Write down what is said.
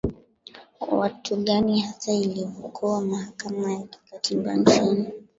watu gani hasa ilivokuwa mahakama ya kikatiba nchini